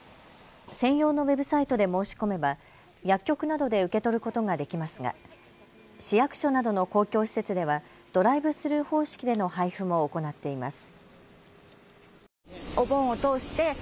専用のウェブサイトで申し込めば薬局などで受け取ることができますが市役所などの公共施設ではドライブスルー方式での配布も行っています。